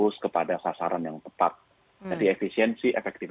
nah untuk mengantisipasi adanya ohk misalnya kita melihat saat ini ekonomi kita masih bergeliat